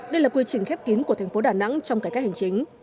đây là quy trình khép kín của tp đà nẵng trong cái cách hành chính